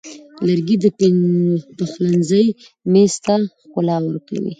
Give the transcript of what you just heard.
لرګی د پخلنځي میز ته ښکلا ورکوي.